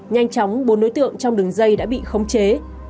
nhanh chóng bốn đối tượng trong đường dây đã bị khống chế